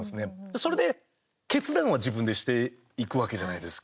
それで決断は自分でしていくわけじゃないですか。